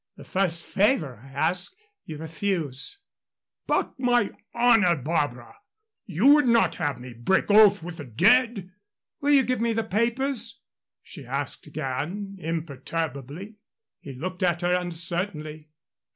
The first favor I ask, you refuse." "But my honor, Barbara. You would not have me break oath with the dead?" "Will you give me the papers?" she asked again, imperturbably. He looked at her uncertainly.